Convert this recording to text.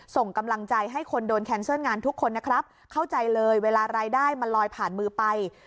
ส่งกำลังใจให้คนโดนแคนเซิลงานทุกคนนะครับเข้าใจเลยเวลารายได้มันลอยผ่านมือไป